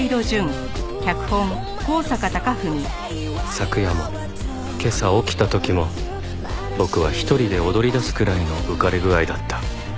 昨夜も今朝起きた時も僕は一人で踊りだすくらいの浮かれ具合だった